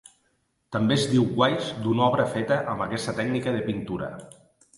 També es diu guaix d'una obra feta amb aquesta tècnica de pintura.